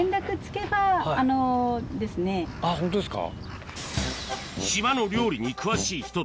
あっホントですか。